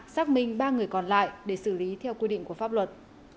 xác minh ba người còn lại để xử lý theo quy định của pháp luật